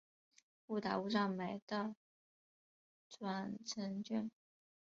误打误撞买到转乘券